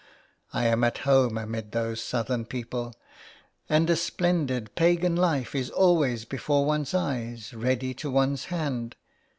I am at home amid those Southern people, and a splendid pagan life is always before one's eyes, ready to one's hand.